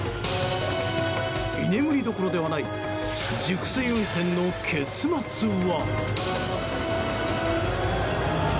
居眠りどころではない熟睡運転の結末は。